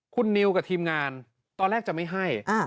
คุณนิวกับทีมงานตอนแรกจะไม่ให้